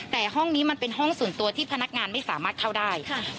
แต่ห้องนี้มันเป็นห้องส่วนตัวที่พนักงานไม่สามารถเข้าได้